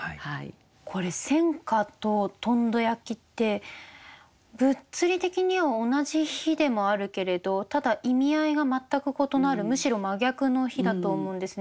これ「戦火」と「とんど焼」って物理的には同じ火でもあるけれどただ意味合いが全く異なるむしろ真逆の火だと思うんですね。